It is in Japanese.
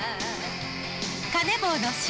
カネボウのＣ